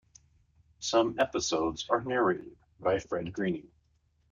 Some episodes are narrated by Fred Greening.